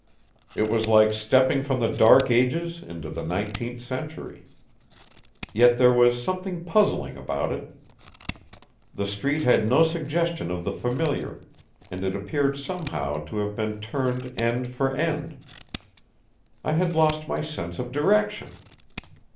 It was like stepping from the Dark Ages into the nineteenth century. Yet there was something puzzling about it. The street had no suggestion of the familiar, and it appeared somehow to have been turned end for end. I had lost my sense of direction.